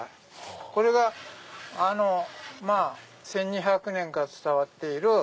これが１２００年前から伝わっている。